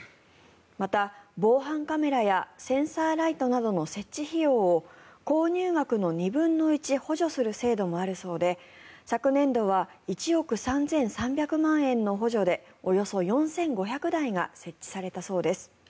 また、防犯カメラやセンサーライトなどの設置費用を購入額の２分の１補助する制度もあるそうで昨年度は１億３３００万円の補助でおよそ４５００台が設置されたそうです。